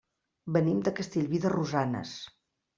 Venim de Castellví de Rosanes.